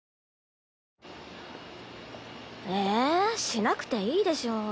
しなくていいでしょ。